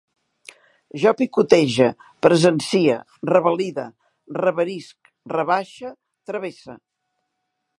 Jo picotege, presencie, revalide, reverisc, rebaixe, travesse